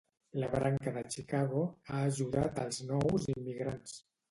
La branca de Chicago ha ajudat als nous immigrants.